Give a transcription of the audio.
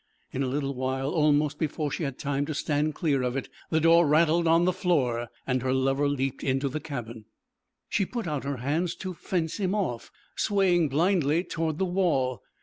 In a little while, almost before she had time to stand clear of it, the door rattled on the floor, and her lover leapt into the cabin. She put out her hands to fence him off, swaying blindly towards the wall.